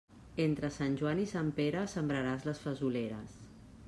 Entre Sant Joan i Sant Pere sembraràs les fesoleres.